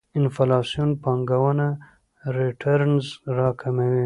انفلاسیون پانګونه ريټرنز راکموي.